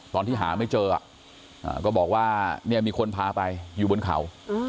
ตอนที่หาไม่เจอก็บอกว่าเนี่ยมีคนพาไปอยู่บนเขา